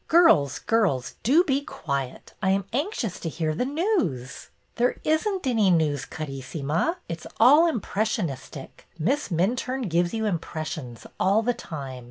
Girls, girls, do be quiet ! I am anxious to hear the news." There is n't any news, Carissima. It 's all impressionistic. Miss Minturne gives you im pressions all the time.